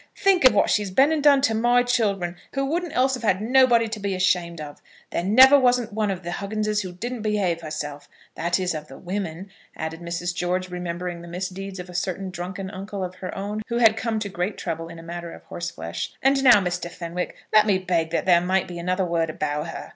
Think of what she's been and done to my children, who wouldn't else have had nobody to be ashamed of. There never wasn't one of the Hugginses who didn't behave herself; that is of the women," added Mrs. George, remembering the misdeeds of a certain drunken uncle of her own, who had come to great trouble in a matter of horseflesh. "And now, Mr. Fenwick, let me beg that there mayn't be another word about her.